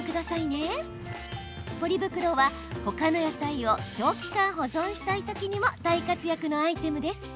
ポリ袋はほかの野菜を長期間保存したい時にも大活躍のアイテムです。